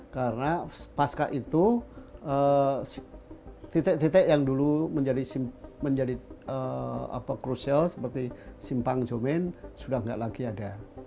karena pasca itu titik titik yang dulu menjadi crucial seperti simpang jomin sudah nggak lagi ada